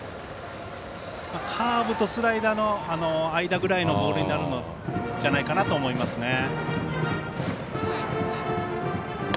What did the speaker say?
カーブとスライダーの間ぐらいのボールになるんじゃないかなと思います。